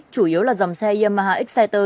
chủ yếu là dòng xe yamaha exciter